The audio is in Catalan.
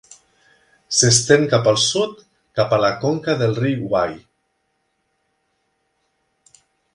S'estén cap al sud, cap a la conca del riu Wye.